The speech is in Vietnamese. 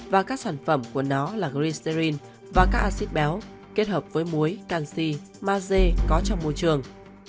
và các sản phẩm của nó là gristerine và các acid béo kết hợp với muối tanxi maze có trong môi trường